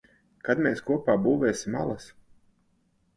Kad mēs kopā būvēsim alas?